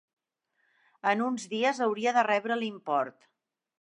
En uns dies hauria de rebre l'import.